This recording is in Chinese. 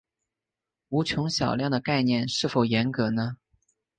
无穷小量的概念是否严格呢？